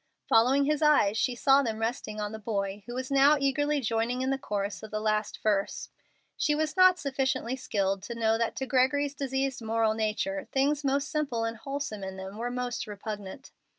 Following his eyes she saw them resting on the boy, who was now eagerly joining in the chorus of the last verse. She was not sufficiently skilled to know that to Gregory's diseased moral nature things most simple and wholesome in themselves were most repugnant.